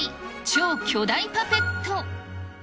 超巨大パペット。